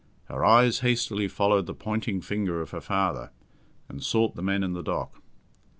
Her eyes hastily followed the pointing finger of her father, and sought the men in the dock.